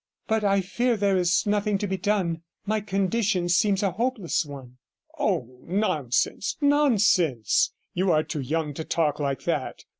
'But I fear there is nothing to be done. My condition seems a hopeless one.' 'Oh, nonsense, nonsense! You are too young to talk like that.